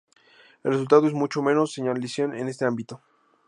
El resultado es mucho menos señalización en este ámbito.